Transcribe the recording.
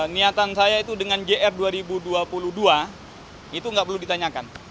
niatan saya itu dengan jr dua ribu dua puluh dua itu nggak perlu ditanyakan